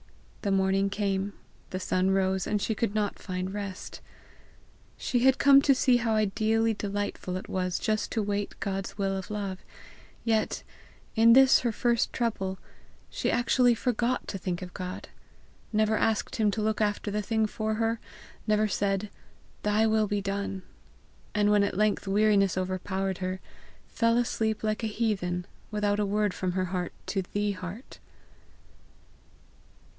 The morning came, the sun rose, and she could not find rest. She had come to see how ideally delightful it was just to wait God's will of love, yet, in this her first trouble, she actually forgot to think of God, never asked him to look after the thing for her, never said, "Thy will be done!" And when at length weariness overpowered her, fell asleep like a heathen, without a word from her heart to the heart.